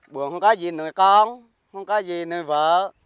buồn không có gì nuôi con không có gì nuôi vợ